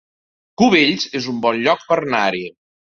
Cubells es un bon lloc per anar-hi